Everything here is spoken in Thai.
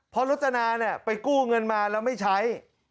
เพราะรจนาเนี่ยไปกู้เงินมาแล้วไม่ใช้